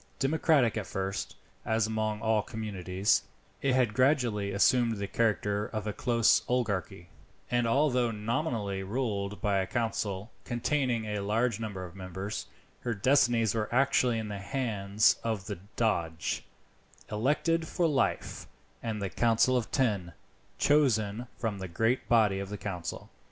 Democratic at first, as among all communities, it had gradually assumed the character of a close oligarchy, and although nominally ruled by a council containing a large number of members, her destinies were actually in the hands of the Doge, elected for life, and the Council of Ten, chosen from the great body of the council.